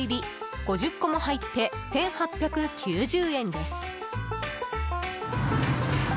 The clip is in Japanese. ５０個も入って１８９０円です。